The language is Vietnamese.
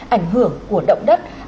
ảnh hưởng của động đất